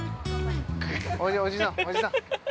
おいで、おじさん、おじさん。